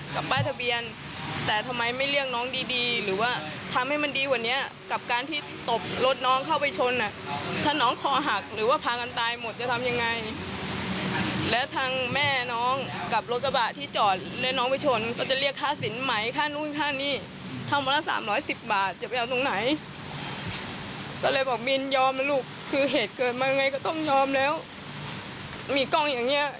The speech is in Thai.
เกิดมายังไงก็ต้องยอมแล้วมีกล้องอย่างเงี้ย